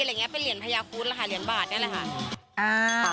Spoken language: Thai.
เป็นเหรียญพญาคุดล่ะค่ะเหรียญบาทนี่แหละค่ะ